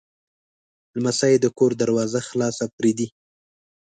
لمسی د کور دروازه خلاصه پرېږدي.